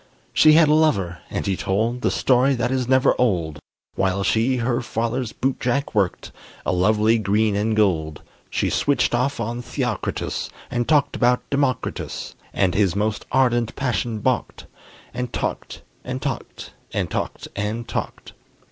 She had a lover, and he told The story that is never old, While she her father's bootjack worked A lovely green and gold. She switched off on Theocritus, And talked about Democritus; And his most ardent passion balked, And talked and talked and talked and talked.